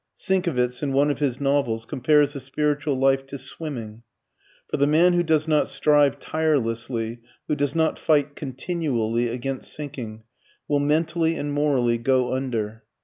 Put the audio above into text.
Sienkiewicz, in one of his novels, compares the spiritual life to swimming; for the man who does not strive tirelessly, who does not fight continually against sinking, will mentally and morally go under.